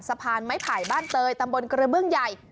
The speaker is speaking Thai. สะพานไม้ไผ่บ้านเตยตำบลกระเบื้องใหญ่